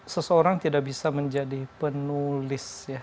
seseorang tidak bisa menjadi penulis ya